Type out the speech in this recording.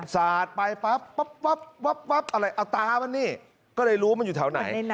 สาดไปปั๊บปั๊บปั๊บปั๊บปั๊บอะไรเอาตามานี่ก็ได้รู้มันอยู่แถวไหน